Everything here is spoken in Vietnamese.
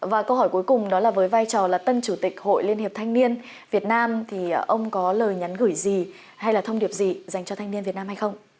và câu hỏi cuối cùng đó là với vai trò là tân chủ tịch hội liên hiệp thanh niên việt nam thì ông có lời nhắn gửi gì hay là thông điệp gì dành cho thanh niên việt nam hay không